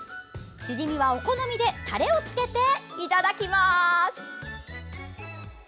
チヂミはお好みでタレをつけていただきます。